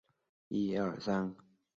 父亲死后他承袭城阳公爵位。